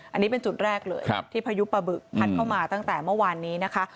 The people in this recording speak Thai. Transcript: อันนี้เป็นจุดแรกเลยที่พายุปะบึกพัดเข้ามาตั้งแต่เมื่อวานนี้นะคะ